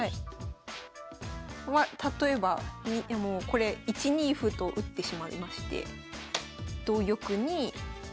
まあ例えばもうこれ１二歩と打ってしまいまして同玉に。